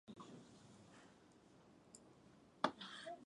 いまや、その頃の面影はなかった